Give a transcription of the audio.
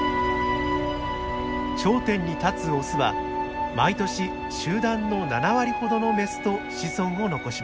頂点に立つオスは毎年集団の７割ほどのメスと子孫を残します。